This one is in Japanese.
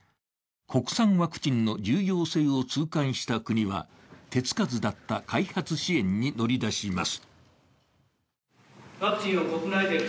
国産ワクチンの重要性を痛感した国は手つかずだった開発支援に乗り出します。